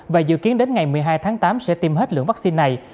và dự kiến đến ngày một mươi hai tháng tám sẽ tiêm hết lượng vaccine này